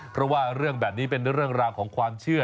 เพราะว่าเรื่องแบบนี้เป็นเรื่องราวของความเชื่อ